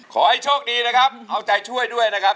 ขอให้โชคดีนะครับเอาใจช่วยด้วยนะครับ